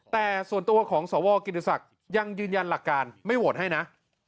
แต่ส่วนตัวของสวกิติศักดิ์ยังยืนยันหลักการไม่โหวตให้นะ